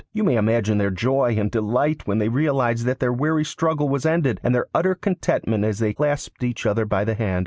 You may imagine their joy and delight when they realised that their weary struggle was ended, and their utter contentment as they clasped each other by the hand.